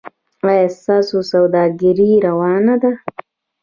ایا ستاسو سوداګري روانه ده؟